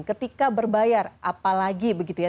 ketika berbayar apalagi begitu ya